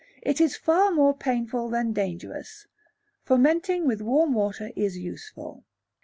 It is far more painful than dangerous. Fomenting with warm water is useful.